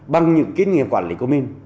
bằng những kinh nghiệm quản lý của mình